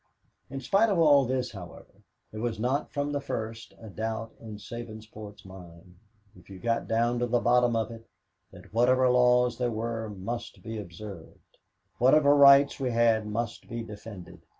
In spite of all this, however, there was not from the first a doubt in Sabinsport's mind, if you got down to the bottom of it, that whatever laws there were must be observed; whatever rights we had must be defended.